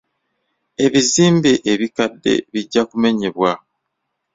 Ebizimbe ebikadde bijja kumenyebwa.